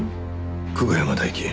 久我山大樹。